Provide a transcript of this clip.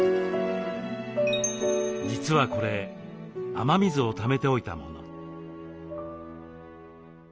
実はこれ雨水をためておいたもの。